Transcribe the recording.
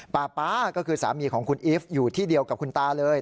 ป๊าก็คือสามีของคุณอีฟอยู่ที่เดียวกับคุณตาเลย